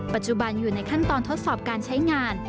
ปัจจุบันอยู่ในขั้นตอนทดสอบการใช้งาน